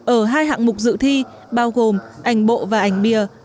ở hai hạng mục dự thi bao gồm ảnh bộ và ảnh bìa